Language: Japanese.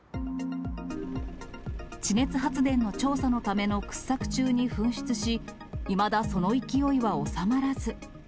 地熱発電の調査のための掘削中に噴出し、いまだその勢いは収まらず。